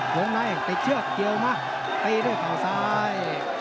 วงในติดเชือกเกี่ยวมาตีด้วยเข่าซ้าย